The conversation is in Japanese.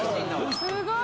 すごい！